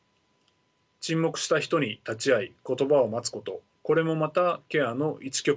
沈黙した人に立ち会い言葉を待つことこれもまたケアの一局面です。